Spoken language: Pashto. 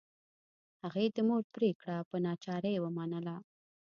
هغې د مور پریکړه په ناچارۍ ومنله